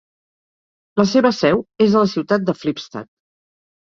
La seva seu és a la ciutat de Flipstad.